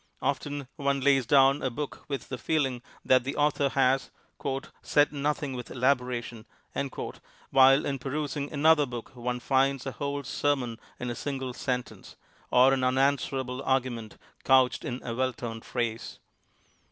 Often one lays down a book with the feeling that the author has "said nothing with elaboration," while in perusing an other book one finds a whole sermon in a single sentence, or an unanswerable argument couched in a well turned phrase.